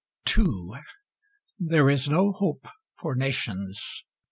II There is no hope for nations!